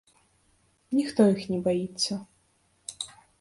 Ніхто іх не баіцца.